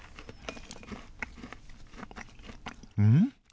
うん？